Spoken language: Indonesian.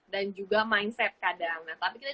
dan juga mindset kadang nah tapi kita